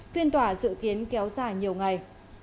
tuyên tỏa dự kiến kéo dài nhiều ngày